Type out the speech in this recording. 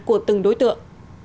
của từng đối tượng